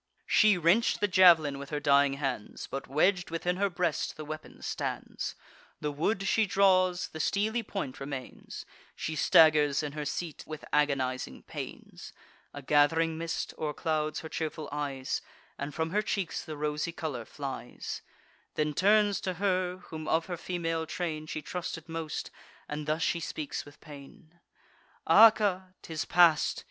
She wrench'd the jav'lin with her dying hands, But wedg'd within her breast the weapon stands; The wood she draws, the steely point remains; She staggers in her seat with agonizing pains: (A gath'ring mist o'erclouds her cheerful eyes, And from her cheeks the rosy colour flies:) Then turns to her, whom of her female train She trusted most, and thus she speaks with pain: "Acca, 'tis past!